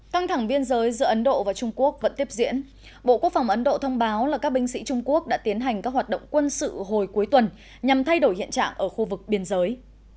căng thẳng biên giới giữa ấn độ và trung quốc vẫn tiếp diễn bộ quốc phòng ấn độ thông báo là các binh sĩ trung quốc đã tiến hành các hoạt động quân sự hồi cuối tuần nhằm thay đổi hiện trạng ở khu vực biên giới